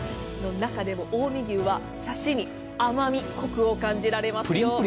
中でも近江牛はサシに甘味、コクを感じられます。